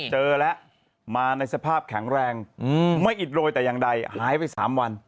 เจอแล้วมาในสภาพแข็งแรงไม่อิดโรยแต่อย่างใดหายไป๓วัน